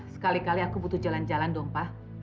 sekali kali aku butuh jalan jalan dong pak